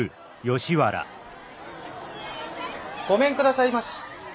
・ごめんくださいまし。